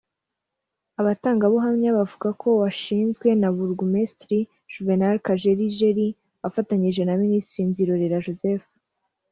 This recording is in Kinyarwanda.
Abatangabuhamya bavuga ko washinzwe na Burugumesitiri Juvénal Kajelijeli afatanyije na Minisitiri Nzirorera Joseph